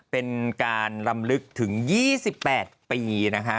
เป็นการลำลึกถึง๒๘ปีนะคะ